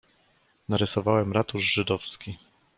"Narysowałem ratusz żydowski."